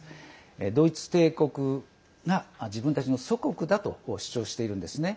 ドイツ帝国が自分たちの祖国だと主張しているんですね。